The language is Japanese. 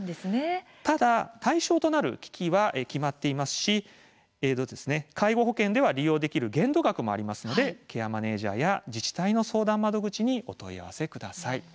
ただ対象となる機器は決まっていますし介護保険では利用できる限度額もありますのでケアマネージャーや自治体の相談窓口にお問い合わせください。